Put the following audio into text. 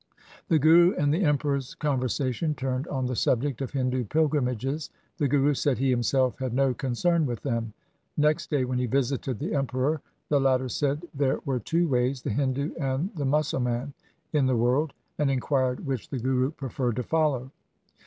The Guru and the Emperor's conversation turned on the subject of Hindu pilgrimages. The Guru said he himself had no concern with them. Next day when he visited the Emperor, the latter said there were two ways — the Hindu and the Musal man — in the world, and inquired which the Guru preferred to follow.